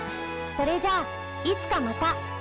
それじゃあいつかまた。